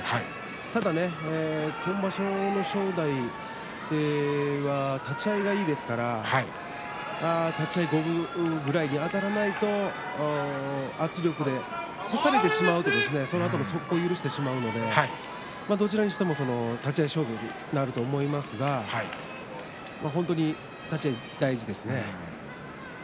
ただ、今場所の正代立ち合いがいいですから立ち合い五分ぐらいにあたらないと圧力で差されてしまうとそのあと速攻を許してしまうのでどちらにしても立ち合い勝負になると思いますが本当に立ち合いが大事ですね。